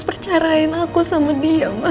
percarain aku sama dia